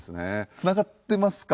繋がってますか？